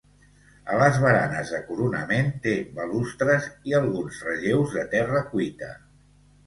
A les baranes de coronament té balustres i alguns relleus de terra cuita.